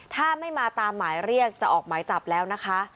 ถ้าไม่มาตามหมายเรียกจะออกหมายจับแล้วนะคะ